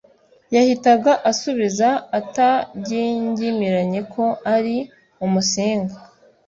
yahitaga asubiza atagingimiranye ko ari Umusinga,